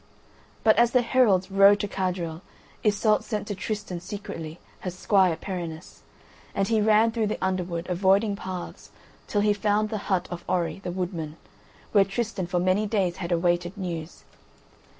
But as the heralds rode to Carduel, Iseult sent to Tristan secretly her squire Perinis: and he ran through the underwood, avoiding paths, till he found the hut of Orri, the woodman, where Tristan for many days had awaited news.